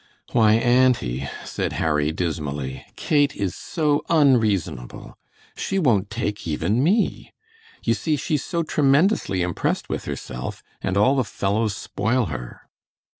"Why, auntie," said Harry, dismally, "Kate is so unreasonable. She won't take even me. You see she's so tremendously impressed with herself, and all the fellows spoil her."